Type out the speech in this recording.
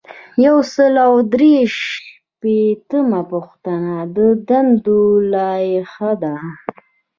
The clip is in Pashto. یو سل او درې شپیتمه پوښتنه د دندو لایحه ده.